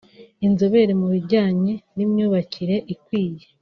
Inzobere mu bijyanye n’imyubakire ikwiye